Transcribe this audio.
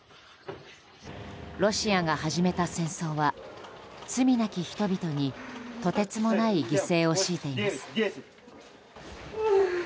ロシアが始めた戦争は罪なき人々にとてつもない犠牲を強いています。